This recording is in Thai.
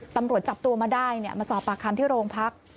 ตำรวจจับตัวมาได้มาสอบปากคำที่โรงพัก